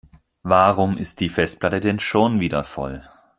Warum ist die Festplatte denn schon wieder voll?